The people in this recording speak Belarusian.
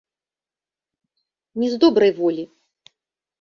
Не з добрай волі.